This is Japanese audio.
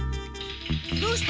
どうした？